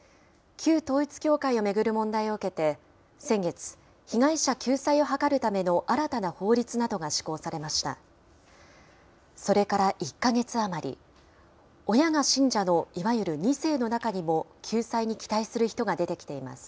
旧統一教会を巡る問題を受けて、先月、被害者救済を図るための新たな法律などが施行されました。